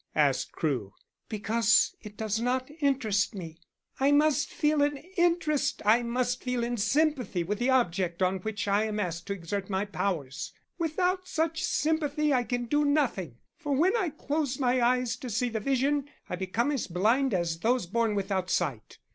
asked Crewe. "Because it does not interest me. I must feel an interest I must feel in sympathy with the object on which I am asked to exert my powers. Without such sympathy I can do nothing, for when I close my eyes to see the vision I become as blind as those born without sight."